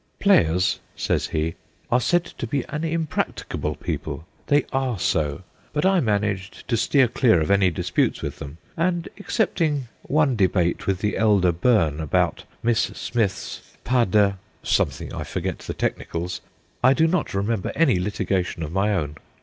' Players/ says he, ' are said to be an impracticable people. They are so. But I managed to steer clear of any disputes with them ; and, excepting one debate with the Elder Byrne about Miss Smith's Pas de 100 THE GHOSTS OF PICCADILLY (something I forget the technicals), I do not remember any litigation of my own.